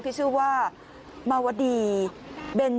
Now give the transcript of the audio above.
กลับเข้ากันแล้วกัน